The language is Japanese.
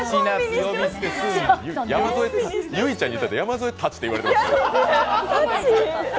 結実ちゃんにいたっては山添たちと言われてます。